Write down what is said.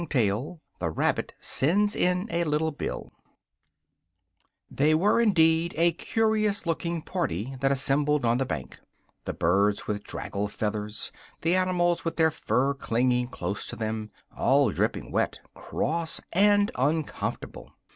Chapter II They were indeed a curious looking party that assembled on the bank the birds with draggled feathers, the animals with their fur clinging close to them all dripping wet, cross, and uncomfortable.